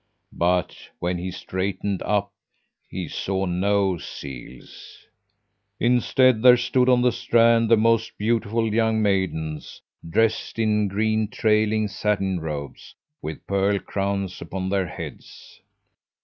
But when he straightened up, he saw no seals. Instead, there stood on the strand the most beautiful young maidens, dressed in green, trailing satin robes, with pearl crowns upon their heads.